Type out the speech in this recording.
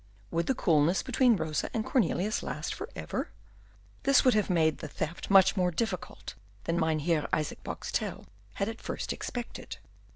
Would the coolness between Rosa and Cornelius last for ever? This would have made the theft much more difficult than Mynheer Isaac had at first expected.